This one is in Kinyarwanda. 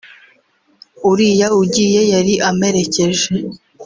uriya ugiye yari amperekeje